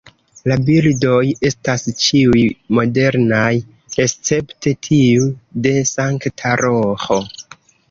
La bildoj estas ĉiuj modernaj escepte tiu de Sankta Roĥo.